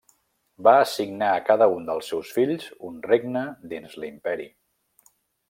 Va assignar a cada un dels seus fills un regne dins l'Imperi.